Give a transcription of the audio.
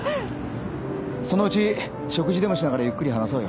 そのうち食事でもしながらゆっくり話そうよ。